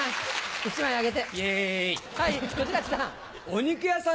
１枚あげて！